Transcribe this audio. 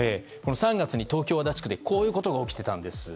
３月に東京・足立区でこういうことが起きていたんです。